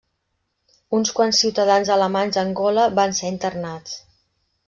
Uns quants ciutadans alemanys a Angola van ser internats.